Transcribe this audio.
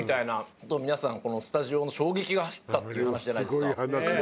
皆さんスタジオに衝撃が走ったっていう話じゃないですか。